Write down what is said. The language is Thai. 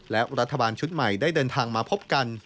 และรัฐบาลชุดใหม่ได้เดินทางมาพบกัน